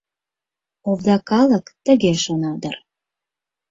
Овда калык тыге шона дыр.